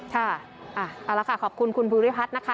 ค่ะเอาละค่ะขอบคุณคุณภูริพัฒน์นะคะ